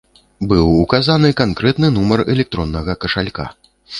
Быў указаны канкрэтны нумар электроннага кашалька.